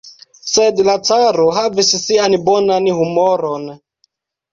Sed la caro havis sian bonan humoron.